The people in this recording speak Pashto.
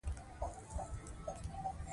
فرهنګ د قوي ژبي په مټ پیاوړی پاتې کېږي.